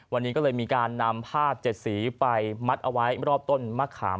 วันนี้ก็เลยมีการนำผ้า๗สีไปมัดเอาไว้รอบต้นมะขาม